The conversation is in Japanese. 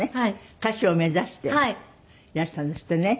歌手を目指していらしたんですってね。